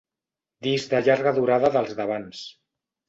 Disc de llarga durada dels d'abans.